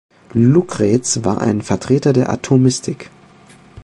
Lukrez war ein Vertreter der Atomistik.